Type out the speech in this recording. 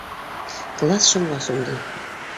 Класс шомға сумды.